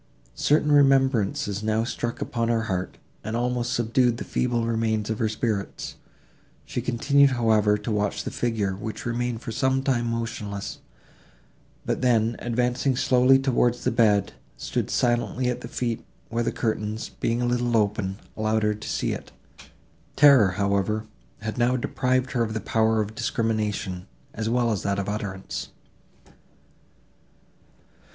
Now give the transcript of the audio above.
Certain remembrances now struck upon her heart, and almost subdued the feeble remains of her spirits; she continued, however, to watch the figure, which remained for some time motionless, but then, advancing slowly towards the bed, stood silently at the feet, where the curtains, being a little open, allowed her still to see it; terror, however, had now deprived her of the power of discrimination, as well as of that of utterance.